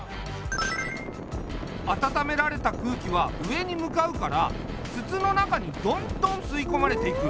温められた空気は上に向かうから筒の中にどんどん吸い込まれていく。